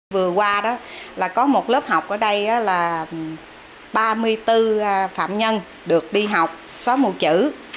vừa qua có một lớp học ở đây là ba mươi bốn phạm nhân được đi học xóa mùa chữ